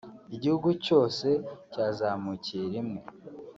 igihugu cyose cyazamukiye rimwe